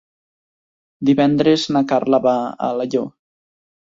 Divendres na Carla va a Alaior.